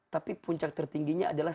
tapi puncak tertingginya adalah